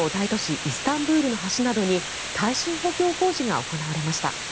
イスタンブールの橋などに耐震補強工事が行われました。